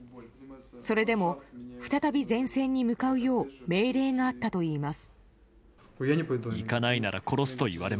それでも、再び前線に向かうよう命令があったといいます。